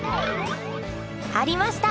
ありました！